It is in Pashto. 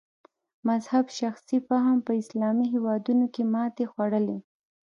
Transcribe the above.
مذهب شخصي فهم په اسلامي هېوادونو کې ماتې خوړلې.